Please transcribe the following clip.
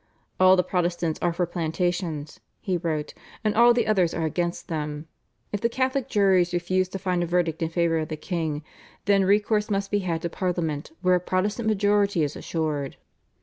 "All the Protestants are for plantations," he wrote, "and all the others are against them. If the Catholic juries refuse to find a verdict in favour of the king, then recourse must be had to Parliament, where a Protestant majority is assured."